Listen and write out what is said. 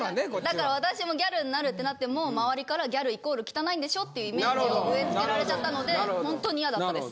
だから私もギャルになるってなっても周りからギャルイコール汚いんでしょ？っていうイメージを植えつけられちゃったのでほんとにイヤだったです。